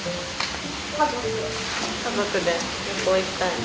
家族で旅行行きたいの？